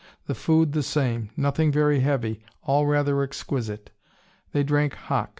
The food the same nothing very heavy, all rather exquisite. They drank hock.